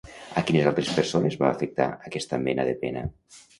A quines altres persones va afectar aquesta mena de pena?